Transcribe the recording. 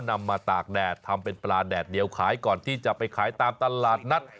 นำมาตากแดดทำเป็นปลาแดดเดียวขายก่อนที่จะไปขายตามตลาดนัด